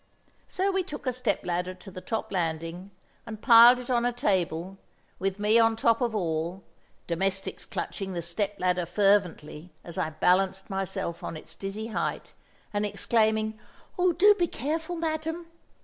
So we took a step ladder to the top landing and piled it on a table, with me on top of all, domestics clutching the step ladder fervently as I balanced myself on its dizzy height, and exclaiming, "Oh, do be careful, madam!"